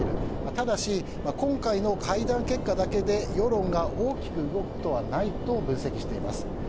ただし、今回の会談結果だけで世論が大きく動くことはないと分析しています。